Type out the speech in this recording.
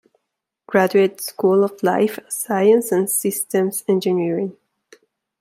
Graduate School of Life Science and Systems Engineering.